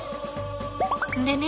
でね